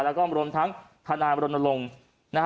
และก็ทั้งถนายมรณรงค์